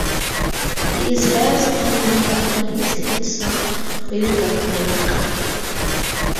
He is best remembered for his hit song "Baby Got Back".